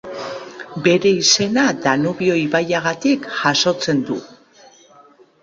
Bere izena Danubio ibaiagatik jasotzen du.